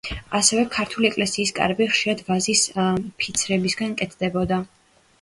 ასევე, ქართული ეკლესიის კარები ხშირად ვაზის ფიცრებისაგან კეთდებოდა.